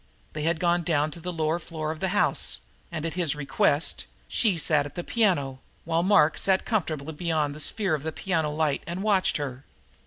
They had gone down to the lower floor of the house, and, at his request, she sat at the piano, while Mark sat comfortably beyond the sphere of the piano light and watched her.